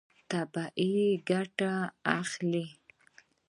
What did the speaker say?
طبیعي ګټه اخله.